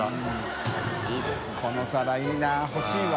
この皿いいなほしいわ。